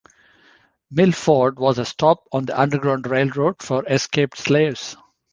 Milford was a stop on the Underground Railroad for escaped slaves.